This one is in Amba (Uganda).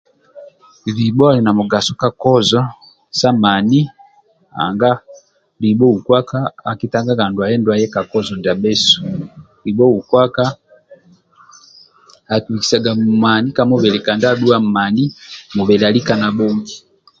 Libho ali na mugaso kakozo sa mani anga libho ukwaka akitanga andwaye ndwaye ka kozo ndia bhesu libho ukwaka akibikisaga mani ka mubili kandi adhuwa mani mubili alika na bhongi